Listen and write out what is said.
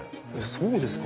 そうですか？